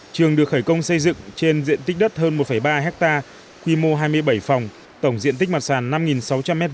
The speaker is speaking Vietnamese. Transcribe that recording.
trường được khởi công xây dựng trên diện tích đất hơn một ba hectare quy mô hai mươi bảy phòng tổng diện tích mặt sàn năm sáu trăm linh m hai